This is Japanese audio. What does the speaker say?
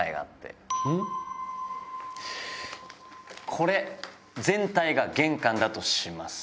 これ全体が玄関だとします。